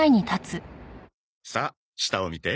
さあ下を見て。